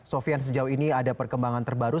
sofian sejauh ini ada perkembangan terbaru